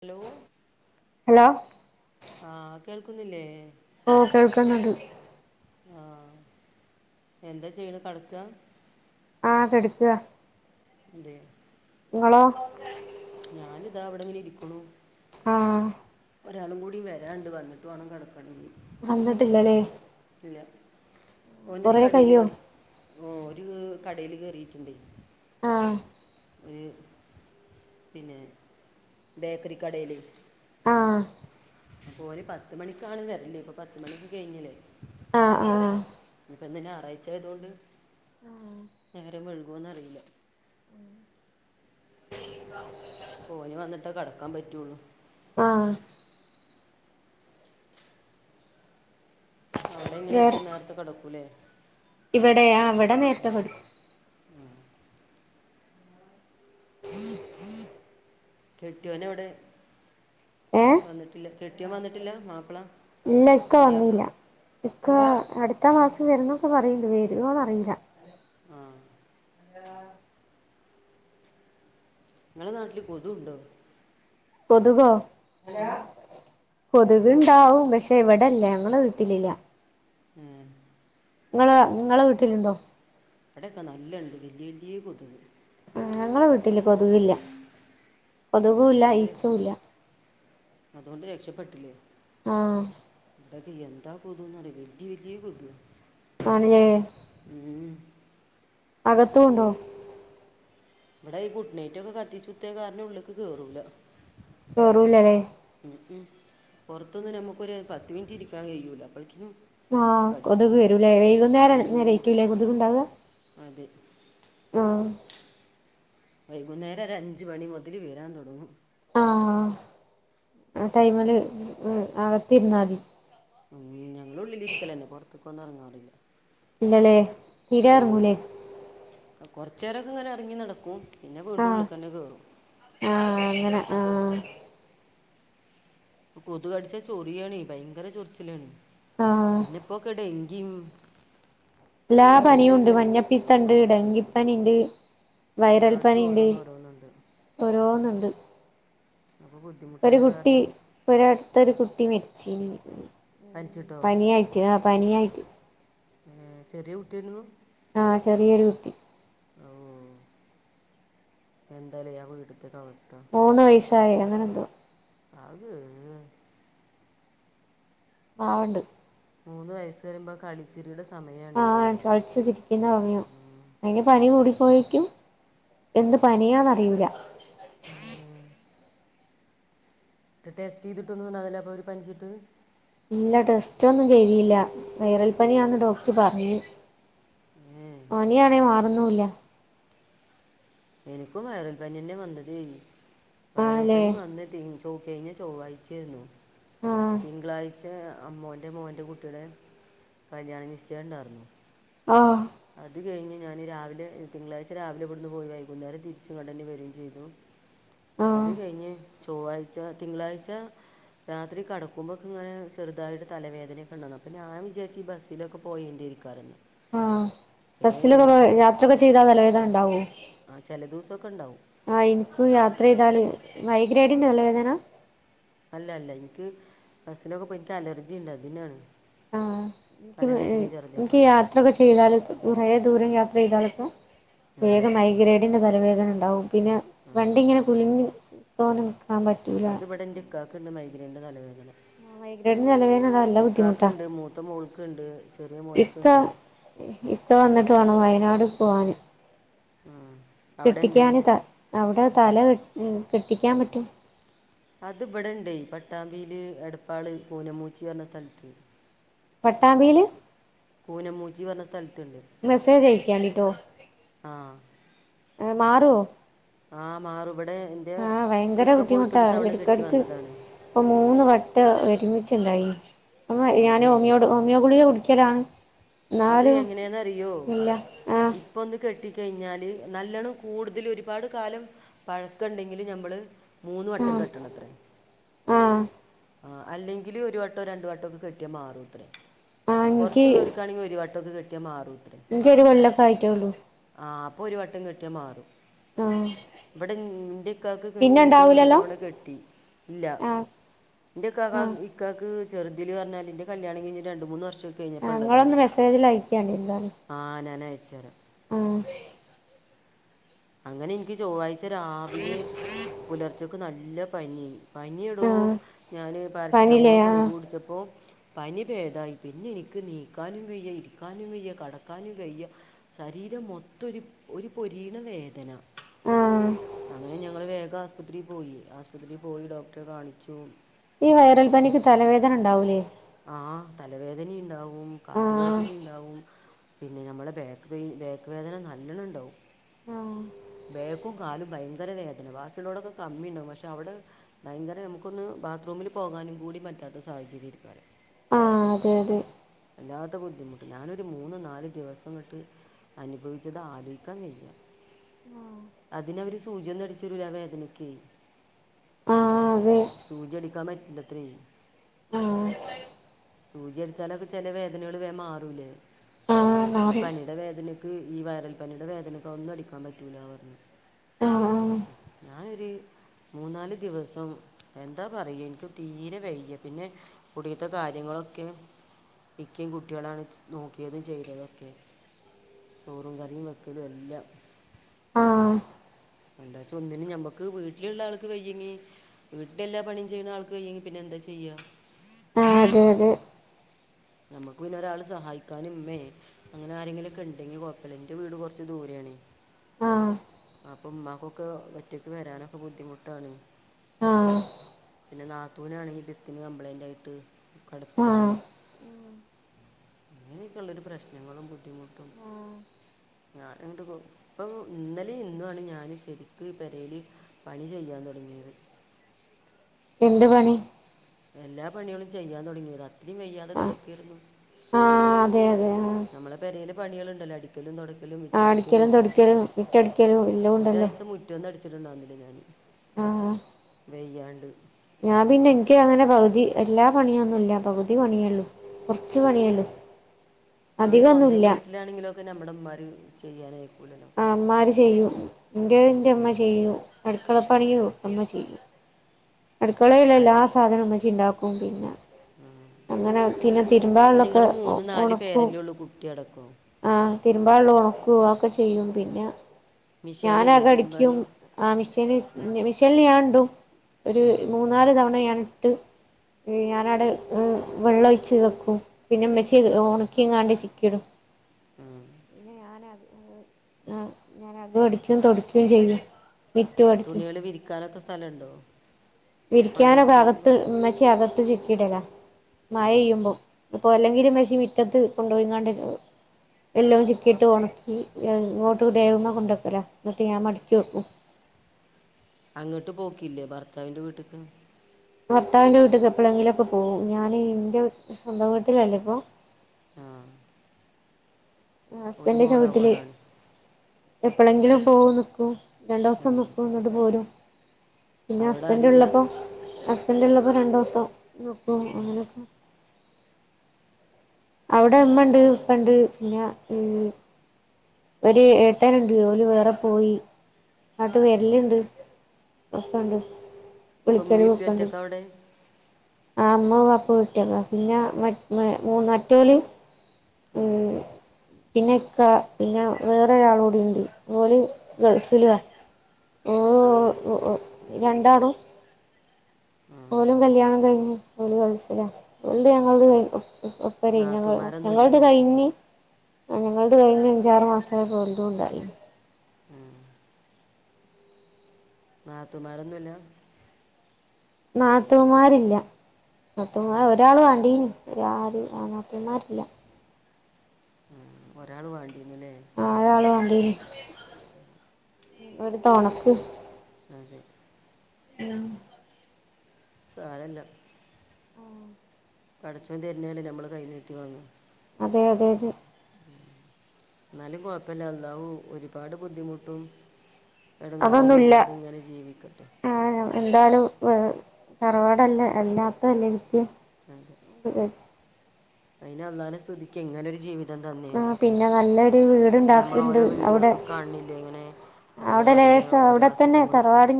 Hello? Hello? ആഹ് കേൾക്കുന്നില്ലേ? ആഹ് കേൾക്കുന്നുണ്ട്. ആഹ് എന്താ ചെയ്യണെ കെടക്കാ. ആഹ് കെടുക്ക. എന്തേ ഇങ്ങളോ? ഞാനിതാ ഇവിടെ ഇങ്ങനെ ഇരിക്കണു. ആഹ്. ഒരാളും കൂടി വരാണ്ട് വന്നിട്ട് വേണം കെടക്കണങ്കി. വന്നിട്ടില്ലല്ലേ. ഇല്ല. ഓനൊരു കൊറേ കടെല് കയ്യോ വർ ഓ, ഒര് കടേല് കേറീട്ടുണ്ട്. ആഹ്. ഒര് പിന്നെ ബേക്കറി കടേല്. ആഹ്. അപ്പം ഒര് പത്ത് മണിക്കാണ് വരല് ഇപ്പൊ പത്ത് മണിയൊക്കെ കഴിഞ്ഞില്ലേ ആഹ് ആഹ് ഇപ്പൊ എന്ത ഞായറാഴ്ചയതൊണ്ട് നേരം വെയു കൊന്നറില. [inaudible] മൊന് വന്നിട്ടേ കടക്കാ പറ്റുള്ളു. ആഹ്. അവിടെങ്ങനെക്കെ വേറെ നേരത്തെ കെടക്കൂലേ. ഇവിടെ. ആ ഇവിടെ നേരത്തെ കെടക്കും. കെട്ടിയോനവിടെ ഏ വന്നിട്ടില്ല കെട്ടേൻ വന്നിട്ടില്ല മാപ്പള. ഇല്ല. ഇക്ക വന്നിയില്ല ഇക്ക അടുത്ത മാസം വരുന്നൊക്കെ പറയണ്ട് വരൊന്ന്റില്ല. ആഹ ഞങ്ങളെ നാട്ടില് കൊതുണ്ടോ കൊത്കോ ആ കൊതുക്ണ്ടാവും പക്ഷെ. ഇവിടെല്ല ഞങ്ങളെവീട്ടിലില്ല. ഉം ങ്ങളെ ങ്ങളെ വീട്ടിലുണ്ടോ? ഇവിടെയക്കെ നല്ലണ്ട് വല്ല്യ വല്ല്യ കൊതുക് ആ ഞങ്ങള് വീട്ടില് കൊതുകില്ല. ഉം, കൊതുകുല്ല ഈചെ ഇല്ല. അതൊണ്ട് രക്ഷപ്പെട്ടില്ലേ ആഹ അഡക്ക് എന്താ കൊതുക് നറിയോ വലിയ വല്യ കൊതുക് ആണ്ലെ ഉം അകത്തുംണ്ടോ ഇവിടെ ഈ കുഡ്നൈറ്റ് ഒക്കെ കത്തിച്ചുത്തിയ കാരണം ഉള്ള്ക്ക് കേറൂല. കെറൂലല്ലേ. മ ഉ പുറത്തൊന്ന് നമുക്കൊരു പത്ത് മിനിറ്റ് ഇരിക്കാൻ കഴിയൂല്ല അപളികൊ. ആഹ് കൊതുക് വരൂലേ വൈകുന്നേര ഉം, നേരക്കൂല്ലേ കൊതുക് ണ്ടാവ. അതെ ആഹ വൈകുന്നേരം ഒരഅഞ്ച മണി മുതൽ വരാൻ തുടങ്ങും. ആ ആ ടൈമില് അകത്തിരുന്നാമതി. ഉം ഞങ്ങളുള്ളിരിക്കലന്നെ പുറത്ത്‌കെന്നും ഒന്ന എ റങ്ങാറില്ല. ഇല്ലല്ലേ തീരെ ഇറങ്ങൂല്ലേ കൊറച്ചുേരൊക്കെ ഇങ്ങനെ ഇറങ്ങി നടക്കും പിന്നെ വീണ്ടും പുള്ളിക്ക തന്നെ കേറും ആഹ അങ്ങന ആഹ ഇപ്പ കൊതു കടിച്ചാ ചൊറിയണീ ഭയങ്കര ചൊറിച്ചിലണ ആഹ് പിന്നെപ്പ കേ ഡെങ്കി എല്ലാ പനിയുണ്ട് ഓ മഞ്ഞപ്പിത്തണ്ട്, ടെങ്കിപ്പനിണ്ട് വൈറൽ എല്ലായിടത്തും പനിണ്ട്. ഓരോന്ന് ഓരോന്നുണ്ട് ഓരോന്ന്ണ്ട്. അപ്പോൾ ഒരു ബുദ്ധിമുട്ടായ കുട്ടി കാരണം ഇപ്പോൾ ഒരിടുത്തൊരു കുട്ടി മരിച്ച പനിച്ചിട്ടോ പനിയായിട്ട് ആ പനിയായിട്ട് ഏ ചെറിയ കുട്ടിയന്നു ആ ചെറിയൊരു കുട്ടി. ഓ എന്താല ആ വീടുത്തക്ക അവസ്ഥ മൂന്ന് വയസ്സായി അങ്ങനെന്തോ അഹ് ബവണ്ട് മൂന്ന് വയസ്സ് റിംമ്പോ കളിച്ചിറിയുടെ സമയണ കളിച് ചിരി ക്കുന്ന സമയം അയിന് പനി കൂടിപ്പോയേക്കും. എന്ത് പനിയാന് അറിയൂല്ല ആഹ് ടെസ്റ്റ് ചെയ്തിട്ടൊന്നും ഉണ്ടായില അപ്പം ഒന് പനിച്ച്ട്ട് ഇല്ല ടെസ്റ്റൊന്നും ചെയ്തില്ല, വൈറൽ പനിയാന്ന് ഡോക്ടർ പറഞ്ഞു. ഏഹ് പനിയാണെ മാറുന്നില്ല എനിക്കും വയറൽ പനി തന്നെ വന്നതെയ് വയറൽ ആണല്ലേ പനി വന്ന പി കഴിഞ്ഞ ചൊവ്വാഴ്ച്ചയിനി ആഹ് തിങ്കളാഴ്ച്ച ഇന്റെ അമ്മോന്റെ മോന്റെ കുട്ടിയുടെ കല്യാണം നിശ്ചയം ഉണ്ടായിരുന്നു. ആഹ് അത് കഴിഞ്ഞ് ഞാന് രാവില തിളാഴ്ച്ച രാവിലെ ഇവിടുന്ന് പോയി വൈ കുന്നേരം തിരിച്ചു ഇങ്ങട്ടെന്നെ വെരും ചെയ്തു അത് ആഹ് കഴിഞ്ഞ് ചൊവ്വാഴ്ച്ച തിങ്കളാഴ്ച്ച രാത്രി കടക്കുമ്പോക്കെ ഇങ്ങന ചെറുതായിട്ട് തലവേദനൊക്കെണ്ടാനു, അപ്പ ഞാനും വിചാരിച്ച ഈ ബസ് തിലെക്കെ പോയേന്റെയ്ക്കാരം ആഹ് ബസ്സിലൊക്കെ യാത്രൊക്കെ ചെയ്താ തലവേദന ഉണ്ടാവോ? ആ ചില ദിവസൊക്കെ ഉണ്ടാവും. ആ എനിക്ക് യാത്ര ചെയ്താല്, മൈഗ്രെഡിന്റെ തലവേദന അല്ല അല്ല, എനിക്ക് ബസിലൊക്കെ പോയിട്ട് എനിക്ക് അലർജി ഉണ്ട് അതിന്നാണ്. ആഹ് എനിക്ക് എനിക്ക് യാത്രയൊക്കെ ചെയ്താല് കുറേ ദൂരം യാത്ര ചെയ്താലക്കെ ആ വേഗം മൈഗ്രേഡിന്റെ തലവേദന ഉണ്ടാവും, പിന്നെ ആ വണ്ടി ഇങ്ങനെ കുലിങ്ങി തോനെ നിക്കാൻ പറ്റ അത് ഇവടന്റെ ഇകാക്ക ഉണ്ട് മൈഗ്രേന്റെ തലവേദന. മൈഗ്രൈഡിന്റെ തലവേദന നല്ല ബുദ്ധിമുട്ടാ ഇക്കക്ക്ണ്ട്, മൂത്ത മോൾക്കുണ്ട്, ചെറിയ ഇക്ക മോനക്കുണ്ട് ഇക്ക വന്നിട്ട് വേണം വയനാട് പോകാന് ആഹ് കെട്ടിക്കാന് ത അവിടെ തല കെ കെട്ടിക്കാൻ പറ്റും അത് ഇവിടെണ്ടേ, പട്ടാമ്പിയില് എടപ്പാള് പൂനമൂച്ചി പറഞ്ഞ സ്ഥലത്ത്. പട്ടാമ്പിയില് പൂനമൂച്ചി പറഞ്ഞ സ്ഥലത്തുണ്ട്. മെസ്സേജ് അയക്കണ്ടിട്ടോ ആഹ് മാറോ? ആഹ്, മാറും ഇവിടെ എന്റെ ഭയങ്കര ഇക്ക ബുദ്ധിമുട്ടാ പോയിട്ടൊരു തവണ കെട്ടി എടക്കെടക്ക് വന്നതാണ്. ഇപ്പൊ മൂന്ന് വട്ട ഒരുമിച്ചുണ്ടായി. അപ്പ ഞാന് അതെ ഓമിയോ ഡോ ഹോമിയോ ഗുളിക കുടിക്കലാണ്. അത് എന്നാലും എങ്ങനെയന്ന അറിയോ? ഇല്ല ആഹ് ഇപ്പൊ ഒന്ന് കെട്ടിക്കഴിഞ്ഞാല് നല്ലവണ്ണം കൂടുതൽ ഒരുപാട് കാലം പഴക്കുണ്ടെങ്കില് ഞമ്മള് മൂന്ന് വട്ടം ആഹ് കെട്ടണം അത്രേ. ആഹ് ആ, അല്ലെങ്കിൽ ഒരു വട്ടോ രണ്ടു വട്ടോ ഒന്ന് കെട്ടിയാൽ മാറും അത്രേ ആഹ് എനിക്ക് കൊറച്ചുള്ളോര് ആണെങ്കിൽ ഒരു വട്ടമക്കെട്ടിയാ മാറും അത്രേ. ബനിക്കൊരു കൊല്ലൊക്കെ ആയിട്ടേ ഒള്ളൂ. ആഹ്, അപ്പൊ ഒരു വട്ടം കെട്ടിയാ മാറും. ആഹ് ഇവിടെ ഇന്റെ ഇക്കാക്ക് പിന്നെ കെട്ടിയിട്ട് ഒരു ഉണ്ടാവൂലല്ലോ തവണ കെട്ടി ഇല്ല. ആഹ് എന്റെക്കാകാക്ക് ആഹ് ഇക്കക്ക് ചെറുതില് പറഞ്ഞാല് എന്റെ കല്യാണം കഴിഞ്ഞ്ട്ട് രണ്ട് മൂന്ന് വർഷക്കെ കഴിഞ്ഞപ്പം ആഹ് ഇള്ളാതാ ഇങ്ങളൊന്ന് മെസ്സേജിൽ അയക്കേണ്ടി എന്താന്ന്. ആ ഞാന് അയച്ച് തരാ ആഹ് അങ്ങനെ എനിക്ക് ചൊവ്വാഴ്ച്ച രാവിലെ പുലർച്ചക്ക് നല്ല പനി ഏയ്നി പനിയെടോ, ആഹ് ഞാാന് പനില്ലേ പാരസെറ്റാമോള് കുളിക ആഹ് കുടിച്ചപ്പോ പനി ഭേദായി, പിന്നെ എനിക്ക് നീക്കാനും വയ്യ ഇരിക്കാനും വയ്യ കടക്കാനും വയ്യ. ശരീരം മൊത്തൊരു ഒരു പൊരിണ വേ നോ ആഹ് അങ്ങനെ ഞങ്ങള് വേഗാ ശുപത്രി പോയി ആശുപത്രി പോയി ഡോക്ട്ടേ കാണിച്ചു ഈ വൈറൽ പനിക്ക് എന്നിട്ട് തലവേദന ഉണ്ടാവൂലേ ആ തലവേദനിണ്ടാവും ആഹ് കാലുവേദനിണ്ടാവും പിന്നെ നമ്മളെ ബാക്ക് പെയിൻ ബേക്ക് വേദന നല്ലണംണ്ടാവും ആഹ് ബേക്കും കാലും ഭയങ്കര വേദന വാക്കിലൊടൊക്കെ കമ്മിണ്ടാവും പക്ഷെ അവിടെ ഭയങ്കര മുക്കൊന്ന് ബാത്റൂമിൽ പോകാനും കൂടി പറ്റാത്ത സാഹചര്യം എയ്ക്കാരും ആ അതെ അതെ അല്ലാത്ത ബുദ്ധിമുട്ട് ഞാനൊരു മൂന്നും നാല് ദിവസങ്ങട്ട് അനുഭവിച്ചത് ആലോയ്ക്കാൻ വയ്യാ ആഹ് അതിനൊര് സൂജി ഒന്നും അടിച്ചരുലാ വേദനയ്ക്ക് ആ സൂചടിക്കാൻ പറ്റില്ലത്രേ അതെ സൂചി അടിച്ചാലൊക്കെ ചെല വേദനകള് വേ മാറൂലേ ആഹ് ആഹ് ഈ മാറി പനിയുടെ വേദനക്ക് ഈ വൈറൽ പനിയുടെ വേദനക്കെ ഒന്നും അടിക്കാൻ പറ്റൂല പറഞ് ആഹ് ഞാനൊര് മൂന്നാല് ദിവസം എന്താ പറയ ഇൻക്ക് തീരെ വയ്യ പിന്നെ കുടീത്തെ കാര്യങ്ങളൊക്കെ പിക്കിം കുട്ടിളാണ് നോക്കിയതും ചെയ്തതൊക്കെ ചോറും കറിം വെക്കലും എല്ലാം ആഹ എന്താച്ച ഒന്നിനും ഞമ്മക്ക് വീട്ടിലുള്ള ആൾക്ക് വയ്യെങ്കി വീട്ടിലെല്ലാപണിം ചെയ്യുന്നാൾക്ക് വയങ്കി പിന്നെന്താ ചെയ്യാ ആ അതെ അതെ നമ്മക്ക് പിന്നെ ഒരാൾ സഹായിക്കാന് ഉമ്മേനി അങ്ങനെ ആരെങ്കിലൊക്കെണ്ടെങ്കിൽ കൊയപ്പല്ലാ ൻ്റെവീട് കൊർച്ച് ദൂരേണ് ആഹ് അപ്പമ്മാക്കൊക്കെ ഒറ്റയ്ക്ക് വരാനൊക്കെ ബുദ്ധിമുട്ടാണ് ആഹ് പിന്നെ നാത്തൂനാണെങ്കിൽ ഡിസ്ക്ന് കംപ്ലൈന്റായിട്ട് കിടപ്പിലാണ് ആഹ് അങ്ങനെക്കൊള്ളൊരു പ്രശ്നങ്ങളും ബുദ്ധിമുട്ടും ഞാന ഇങ്ങോട്ട്പ്പൊ ഇന്നലെ ഇന്നു ആണ് ഞാൻ ശരിക്കും ഈ പേരേൽ പണി ചെയ്യാൻ തുടങ്ങിയത് എന്ത് പണി എല്ലാ പണികളും ചെയ്യാൻ തുടങ്ങിത് അത്രയും വയ്യാതെ കടക്കായിരുന്നു ആ അതെ അതെ ആ നമ്മള പെരേല പണികളുണ്ടല്ലോടി ലും തുടക്കലും അടിക്കലും മുറ്റടിക്കലും തൊടിക്കലും മിറ്റടിക്കലും എല്ലാം ഉണ്ടല്ലോ ഒരാഴ്ച മു റ്റ അടിച്ചിട്ടുണ്ടുവുന്നില്ല ഞാന് ആഹ് വെയ്യാണ്ട് ഞാൻ പിന്നെ നിക്ക് അങ്ങനെ പകുതി എല്ലാ പണിയൊന്നുമില്ല പകുതി പണിയള്ളു കുറച്ച് ആ. പണിയള്ളൂ അധികന്നുല്ല നമ്മുടെമാര് ചെയ്യാനയ്ക്കൂലല്ലോ അമ്മാർ ചെയ്യും എൻ്റെ ൻ്റമ്മ ചെയ്യും അടുക്കളപ്പണിലും അമ്മ ചെയ്യും അടുക്കളയിലുള്ള എല്ലാ സാധനും മ്മച്ചിണ്ടാക്കും പിന്നെ ആ അങ്ങനെ പിന്നെ തിരുമ്പാള്ളൊക്കെ നിങ്ങള് മൂന്ന് നാല് പേരെല്ലേള്ളു കുട്ടി അടക്കം ആ തിരുമ്പാള്ള ഒണക്കും ഒക്കെ ചെയ്യും പിന്നെ ഞാൻ മിഷാനില്ലേ അക തിരുമ്പാൻ അടിക്കും ആ മിഷീന് മെഷീന ഞാടും ഒരു ആ മൂന്നാല് തവണ ഞൻ ഇട്ട് ഞാനട് ഉം വെള്ളം ഒഴിച്ച് വെക്കും പിന്നെമ്മച്ചി ഉം ഒണക്കികാണ്ട് ചിക്കിടും ഉം ഇന്നെ ഞനാത് ആ ഞാന് അകം അടിക്കും തൊടക്കും ചെയ്യും മിറ്റം അടിക്കും തുണ്യേള് വിരിക്കാനൊക്കെ സലണ്ടോ വിരിക്കാനൊക്കെ അകത്ത് ഇമ്മച്ചി അകത്ത് ചിക്കിടലാ ആഹ് മഴെയ്യുമ്പും ഇപ്പൊ അല്ലെങ്കിലും മ്മച്ചി വിറ്റത്ത് കൊണ്ടോയിക്കാണ്ടി എല്ലാം ചുക്കിയിട്ട് ഒണക്കി ഇങ്ങോട്ട് ആഹ് ദേവമഹ് കൊണ്ടെക്കല ഇന്നട്ട് ഞാൻ മടക്കി വെക്കും. അങ്ങേട്ട് പോക്കില്ലേ ഭർത്താവിന്റെ വീട്ടിക്ക് ഭർത്താവിന്റെ വീട്ടിക്ക് എപ്പളെങ്കിലൊക്കെ പോകും. ഞാനീ എന്റെ സ്വന്തം വീട്ടിലെല്ലിപ്പൊ ആഹ് അഹ് ഒരു ഹസ്ബന്റിന്റെ വീട്ടില് മോളാവോണ്ടാണ് എപ്പളെങ്കിലും പോവു നിക്കും രണ്ടോസം ആഹ് നിക്കും ഇന്നട്ടു പോരും പിന്നെ അവിടെ ആരുല്ല ഹസ്ബെന്റുള്ളപ്പം ഹസ്ബന്റുള്ളപ്പം രണ്ടോസം നിക്കും അങ്ങനൊക്കെ അവിടെ ഉമ്മണ്ട് ഇപ്പണ്ട് പിന്നെ ഈഹ് ഒരു ഏട്ടൻ ഇണ്ട് ഓല് വേറെ പൊയി നാട്ടു ആഹ് വെര്ല്ണ്ട് ഒക്കൊണ്ട്. ഇപ്പം വുളിക്കലു ഇമ്മീം ഇപ്പിം ഒക്കണ്ട് ഒറ്റക്കാ അവിടെ ആ ഇമ്മ വാപ്പ വെട്ട്യേത പിന്നെ മറ്റ് ഏഹ് മറ്റോല്‌. ആഹ് പിനി ഇക്കാ പിന്നെ വേറെ ഒരാളൂടിണ്ട്. ഓല് ഗൾഫ്‌ ല്വ ഓഹ് ആഹ് ഓ ഉം രണ്ടാളും ആഹ് ഓലും കല്യാണം കഴിഞ് ഓല് ഗൾഫിലാ [unintelligible] ഞങ്ങള് ത് കഴിഞ്ഞു ഇപ്പ പറയുന്ന [unintelligible] ഞങ്ങൾ [unintelligible] ഞങ്ങൾത് നാത്തൂമാരൊന്നുല്ലല്ലേ കയിഞ്ഞ് ആഹ് ഞങ്ങൾത്. കഴിഞ്ഞ് അഞ്ചാറു മാസായപ്പം ഓല്തുണ്ടായി ആഹ് നാത്തൂമ്മാരൊന്നുല്ല നാത്തൂമാര് ഇല്ല നാത്തൂമാര് ഒരാളു വണ്ടീന്നി. [unintelligible] നാത്തൂ മ്മാര് ഇല്ല ഒരാളു വേണ്ടീനുല്ലേ ആഹ് ഒരാളു വാണ്ടീന്നി ഉം ഒരു തൊണക്ക് അതെ ഉം സാരല്ല ആഹ് പടച്ചോൻ തര്ന്നല്ലേ നമ്മള് കൈ നീട്ടി വാങ്ങ അതെ അതെ അതെ ഉം ഇന്നാലും കൊയപ്പില്ല എന്നാവു ഒരുപാട് ബുദ്ധിമുട്ടും എടങ്കേറൊന്നും ഇല്ലാതെ ഇങ്ങനെ ജീവിക്കട്ടെ ആഹ് എന്തായാലും ഏഹ് തറവാടല്ലേ എല്ലാത്തെല്ലെനിക്ക് അതെ ഉ [unintelligible] അതിനള്ളാലെ സ്തുതിക്ക് ഇങ്ങെനൊരു ജീവി തം ആ തന്നേന് പിന്നെ നല്ലൊരു ഇപ്പം നമ്മള് വീടുണ്ടാക്ക്ണ്ട് ഓരോ അവിടെ വീഡിയോസൊക്കാണില്ലേ ഇങ്ങനെ എന്താ അവിടെ പറ്യയ ലേശം ഓരോ അവിടെ തന്നെ അസുഖങ്ങളും തറവാട്